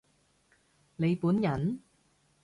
你本人？